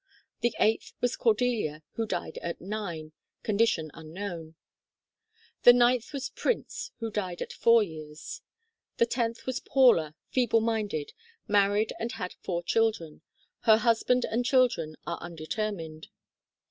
The eighth was Cordelia, who died at nine ; condition unknown. The ninth was Prince, who died at four years. The tenth was Paula, feeble minded; married and had four children. Her husband and children are un determined.